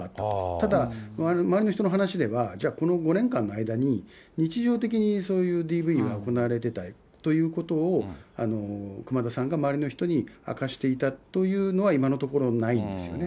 ただ、周りの人の話では、じゃあこの５年間の間に、日常的にそういうＤＶが行われていたということを、熊田さんが周りの人に明かしていたというのは、今のところないんですよね。